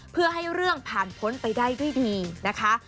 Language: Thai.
เพื่อให้เรื่องผ่านพ้นไปได้ด้วยดีนะคะ